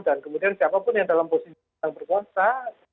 dan kemudian siapapun yang dalam posisi yang berpengaruh